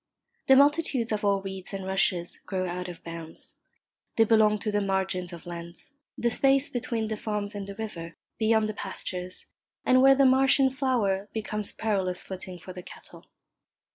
The multitudes of all reeds and rushes grow out of bounds. They belong to the margins of lands, the space between the farms and the river, beyond the pastures, and where the marsh in flower becomes perilous footing for the cattle.